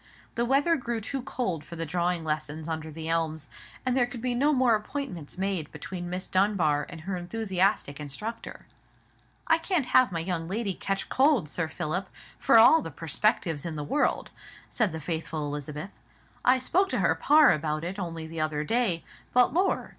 The weather grew too cold for the drawing lessons under the elms, and there could be no more appointments made between Miss Dunbar and her enthusiastic instructor. "I can't have my young lady ketch cold, Sir Philip, for all the perspectives in the world," said the faithful Elizabeth. "I spoke to her par about it only the other day; but, lor'!